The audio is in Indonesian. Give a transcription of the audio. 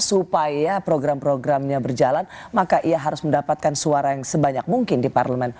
supaya program programnya berjalan maka ia harus mendapatkan suara yang sebanyak mungkin di parlemen